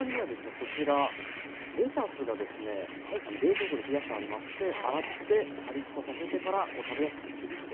こちらレタスがですね冷蔵庫で冷やしてありまして洗ってパリっとさせてから食べやすくちぎってあります。